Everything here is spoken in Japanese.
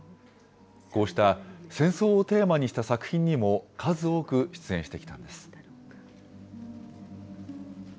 こうした戦争をテーマにした作品にも数多く出演してきたんです。